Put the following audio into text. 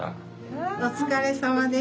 お疲れさまです。